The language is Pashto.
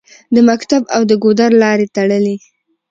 د مکتب او د ګودر لارې تړلې